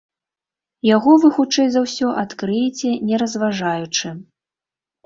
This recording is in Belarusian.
Яго вы, хутчэй за ўсё, адкрыеце, не разважаючы.